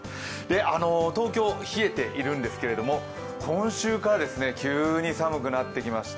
東京は冷えているんですけど、今週から急に寒くなってきました。